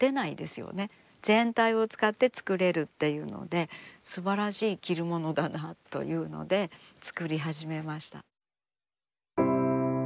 全体を使って作れるっていうのですばらしい着るものだなというので作り始めました。